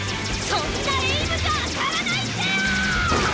そんなエイムじゃ当たらないぜよ！